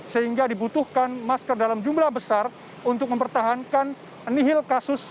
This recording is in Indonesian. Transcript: sehingga dibutuhkan masker dalam jumlah besar untuk mempertahankan nihil kasus